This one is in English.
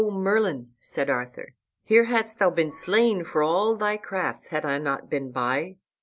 "O Merlin," said Arthur, "here hadst thou been slain, for all thy crafts, had I not been by."